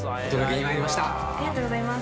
ありがとうございます。